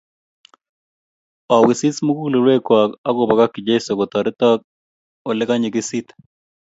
Owisis mugulelwek kwok akobokokchi Jeso kotoritok ole kanyigisit